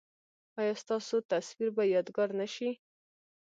ایا ستاسو تصویر به یادګار نه شي؟